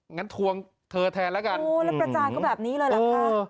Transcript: งั้นทวงเธอแทนแล้วกันโอ้แล้วพรรจานก็แบบนี้เลยหลังภาพ